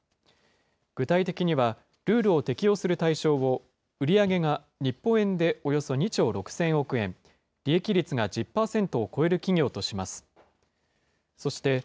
具体的には、ルールを適用する対象を、売り上げが日本円でおよそ２兆６０００億円、利益率が１０％を超える企業とします。